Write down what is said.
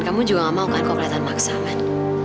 kamu juga gak mau kan kau kelihatan maksa kan